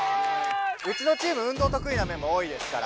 うちのチーム運動得意なメンバー多いですから。